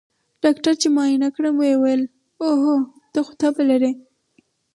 ډاکتر چې معاينه کړم ويې ويل اوهو ته خو تبه لرې.